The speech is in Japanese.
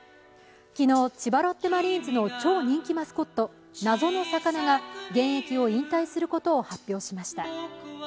昨日、千葉ロッテマリーンズの超人気マスコット、謎の魚が現役を引退することを発表しました。